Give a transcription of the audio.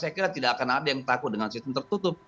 saya kira tidak akan ada yang takut dengan sistem tertutup